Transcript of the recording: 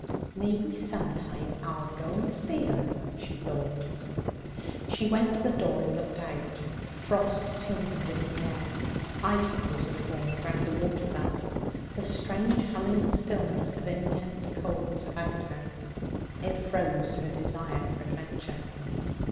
'Maybe sometime I'll go and see 'em,' she thought. She went to the door and looked out. Frost tingled in the air; icicles had formed round the water butt; the strange humming stillness of intense cold was about her. It froze her desire for adventure.